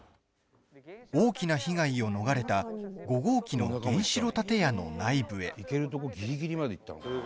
大きな被害を逃れた５号機の原子炉建屋の内部へ。